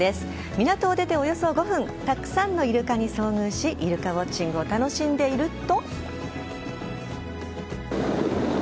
港を出ておよそ５分たくさんのイルカに遭遇しイルカウォッチングを楽しんでいると。